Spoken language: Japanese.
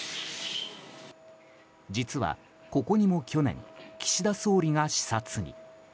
実は、ここにも去年岸田総理が視察に。